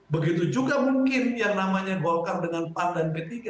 begitu juga mungkin yang namanya golkar dengan pan dan p tiga